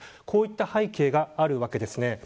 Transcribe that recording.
こうした背景があるわけです。